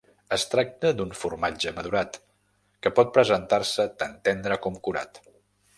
Es tracta d'un formatge madurat, que pot presentar-se tant tendre com curat.